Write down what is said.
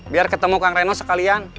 biar ketemu kang reno sekalian